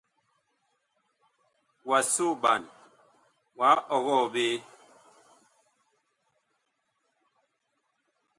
Wa soɓan, wah ɔgɔɔ ɓe.